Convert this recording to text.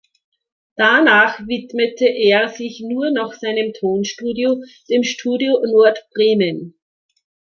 Danach widmete er sich nur noch seinem Tonstudio, dem Studio Nord Bremen.